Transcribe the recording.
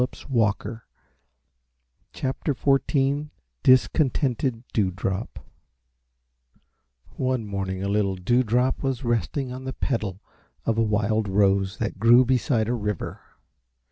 DISCONTENTED DEWDROP [Illustration: Discontented Dewdrop] One morning a little Dewdrop was resting on the petal of a wild rose that grew beside a river.